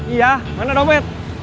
iya mana dompet